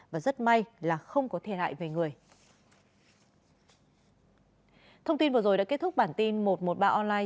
và rất may là không có thiệt hại về người